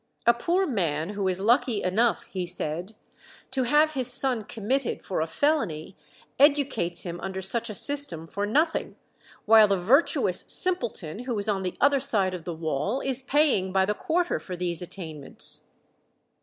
"A poor man who is lucky enough," he said, "to have his son committed for a felony educates him under such a system for nothing, while the virtuous simpleton who is on the other side of the wall is paying by the quarter for these attainments."